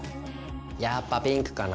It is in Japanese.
やっぱピンクかな。